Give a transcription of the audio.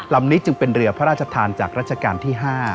ลำนี้จึงเป็นเรือพระราชทานจากราชการที่๕